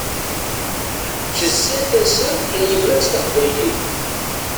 Tezza tasa n tyemmat taqbaylit.